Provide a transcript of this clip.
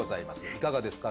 いかがですか？